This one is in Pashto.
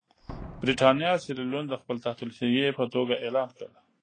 برېټانیا سیریلیون د خپل تحت الحیې په توګه اعلان کړ.